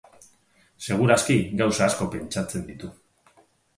Segur aski gauza asko pentsatzen ditu.